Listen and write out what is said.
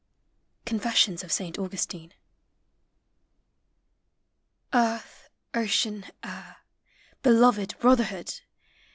''— Confessions of Saint Augustine. Earth, ocean, air, beloved brotherhood